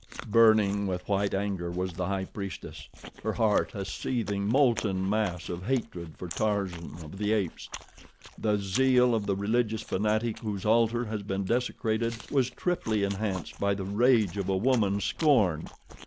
Burning with white hot anger was the High Priestess, her heart a seething, molten mass of hatred for Tarzan of the Apes. The zeal of the religious fanatic whose altar has been desecrated was triply enhanced by the rage of a woman scorned.